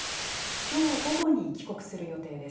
きょう午後に帰国する予定です。